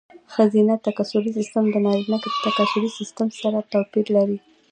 ښځینه تکثري سیستم د نارینه تکثري سیستم سره توپیر لري.